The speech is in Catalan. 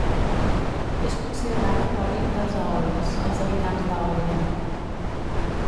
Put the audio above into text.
És considerat epònim dels eolis, els habitants d'Eòlia.